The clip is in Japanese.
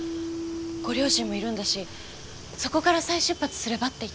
ご両親もいるんだしそこから再出発すればって言ったんです。